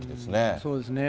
そうですね。